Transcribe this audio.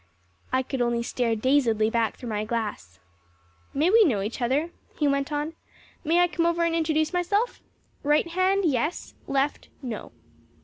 I could only stare dazedly back through my glass. "May we know each other?" he went on. "May I come over and introduce myself? Right hand, yes; left, no."